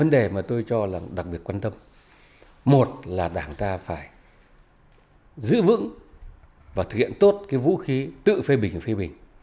đảng ta phải giữ vững và thực hiện tốt cái vũ khí tự phê bình phê bình